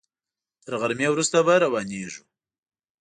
تر غرمې وروسته به روانېږو.